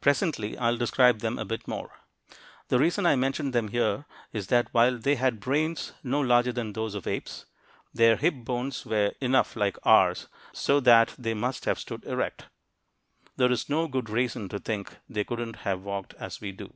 Presently I'll describe them a bit more. The reason I mention them here is that while they had brains no larger than those of apes, their hipbones were enough like ours so that they must have stood erect. There is no good reason to think they couldn't have walked as we do.